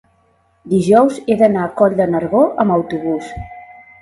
dijous he d'anar a Coll de Nargó amb autobús.